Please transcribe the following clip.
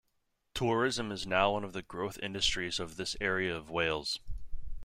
Tourism is now one of the growth industries of this area of Wales.